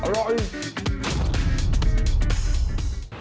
อร่อย